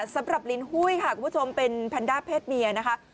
ลินหุ้ยค่ะคุณผู้ชมเป็นแพนด้าเพศเมียนะคะ